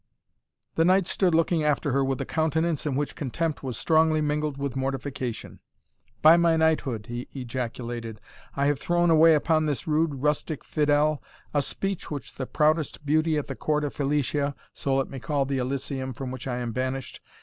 The knight stood looking after her with a countenance in which contempt was strongly mingled with mortification. "By my knighthood!" he ejaculated, "I have thrown away upon this rude rustic Phidel? a speech, which the proudest beauty at the court of Felicia (so let me call the Elysium from which I am banished!)